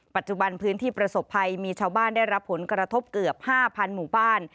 ปัจจุบันพื้นที่ประสบภัยมีชาวบ้านได้รับผลกระทบเกือบ๕๐๐หมู่บ้าน